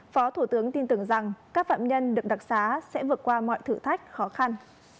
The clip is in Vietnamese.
phó thủ tướng tin tưởng rằng các phạm nhân được đặc xá sẽ vượt qua mọi thử thách khó khăn